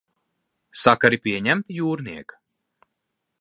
Sakari pieņemti, jūrniek?